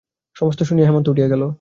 সমস্ত শুনিয়া হেমন্ত উঠিয়া গেল।